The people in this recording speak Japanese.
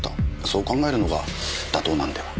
そう考えるのが妥当なのでは？